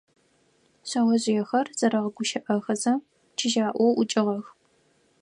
Шъэожъыехэр зэрэгъэгущыӀэхэзэ чыжьаӀоу ӀукӀыгъэх.